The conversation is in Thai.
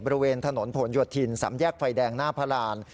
บริเวณถนนผลหยดทินสำแยกไฟแดงหน้าพลาน